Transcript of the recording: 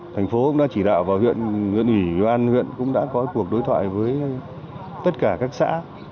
thành phố cũng đã chỉ đạo vào huyện huyện ủy huyện an huyện cũng đã có cuộc đối thoại với tất cả các xã